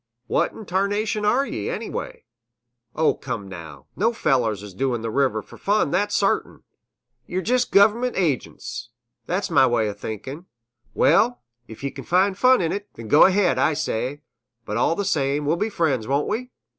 "What 'n 'tarnation air ye, anny way? Oh, come now! No fellers is do'n' th' river fur fun, that's sartin ye're jist gov'm'nt agints! That's my way o' think'n'. Well, 'f ye kin find fun in 't, then done go ahead, I say! But all same, we'll be friends, won't we?